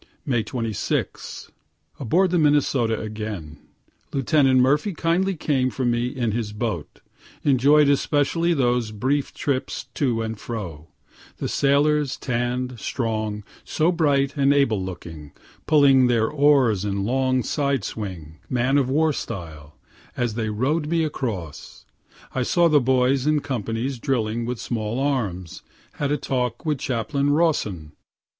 May 26. Aboard the Minnesota again. Lieut. Murphy kindly came for me in his boat. Enjoy'd specially those brief trips to and fro the sailors, tann'd, strong, so bright and able looking, pulling their oars in long side swing, man of war style, as they row'd me across. I saw the boys in companies drilling with small arms; had a talk with Chaplain Rawson.